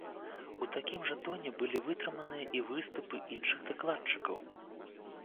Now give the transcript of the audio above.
У такім жа тоне былі вытрыманыя і выступы іншых дакладчыкаў.